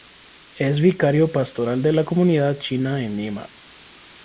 Es Vicario Pastoral de la Comunidad China en Lima.